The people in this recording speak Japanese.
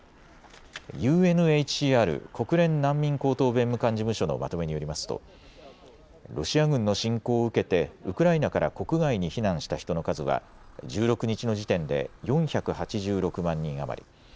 ＵＮＨＣＲ・国連難民高等弁務官事務所のまとめによりますとロシア軍の侵攻を受けてウクライナから国外に避難した人の数は１６日の時点で４８６万人余り。